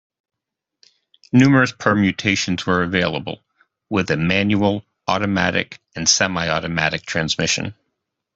Numerous permutations were available, with a manual, automatic and semi-automatic transmission.